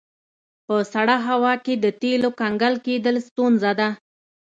په سړه هوا کې د تیلو کنګل کیدل ستونزه ده